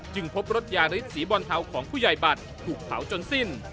พบรถยาริสสีบอลเทาของผู้ใหญ่บัตรถูกเผาจนสิ้น